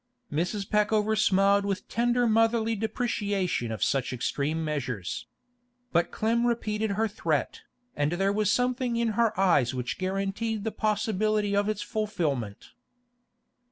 Mrs. Peckover smiled with tender motherly deprecation of such extreme measures. But Clem repeated her threat, and there was something in her eyes which guaranteed the possibility of its fulfilment.